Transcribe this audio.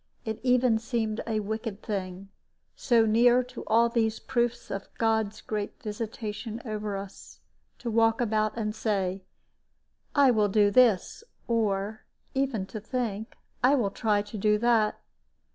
It even seemed a wicked thing, so near to all these proofs of God's great visitation over us, to walk about and say, "I will do this," or even to think, "I will try to do that."